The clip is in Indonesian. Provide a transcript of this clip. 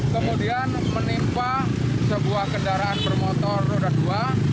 kemudian menimpa sebuah kendaraan bermotor roda dua